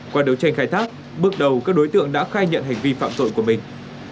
qua đấu tranh khai thác bước đầu các đối tượng đã khai nhận hành vi phạm tội của mình